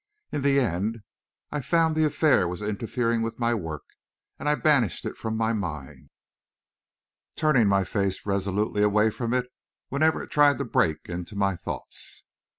In the end, I found that the affair was interfering with my work, and I banished it from my mind, turning my face resolutely away from it whenever it tried to break into my thoughts.